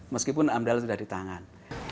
meskipun amdal sudah di tangan